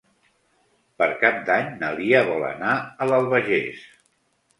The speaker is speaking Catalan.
Per Cap d'Any na Lia vol anar a l'Albagés.